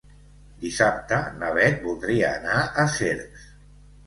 Dissabte na Beth voldria anar a Cercs.